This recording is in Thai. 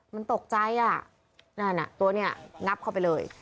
มันตกใจอ่ะนั่นอ่ะตัวเนี่ยงับเข้าไปเลย